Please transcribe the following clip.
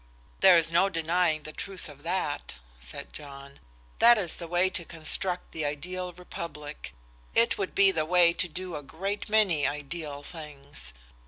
"There is no denying the truth of that," said John. "That is the way to construct the ideal republic. It would be the way to do a great many ideal things.